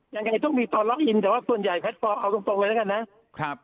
ยังไงต้องมีตอนล็อกอินแต่ว่าส่วนใหญ่แพลตฟอร์มเอาตรงเลยแล้วกันนะครับ